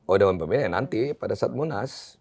oh dewan pembina nanti pada saat munas